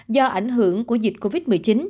do ảnh hưởng của dịch covid một mươi chín